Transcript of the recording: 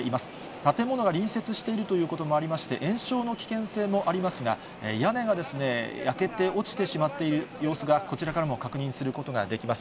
建物が隣接しているということもありまして、延焼の危険性もありますが、屋根が焼けて落ちてしまっている様子がこちらからも確認することができます。